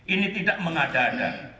ini tidak mengadakan